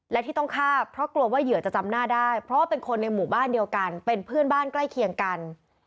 และที่ต้องฆ่าเพราะกลัวว่าเหยื่อจะจำหน้าได้เพราะว่าเป็นคนในหมู่บ้านเดียวกันเป็นเพื่อนบ้านใกล้เคียงกัน